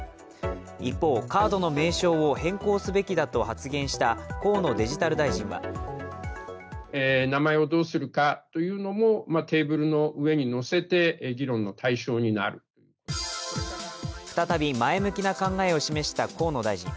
一方、カードの名称を変更すべきだと発言した河野デジタル大臣は再び、前向きな考えを示した河野大臣。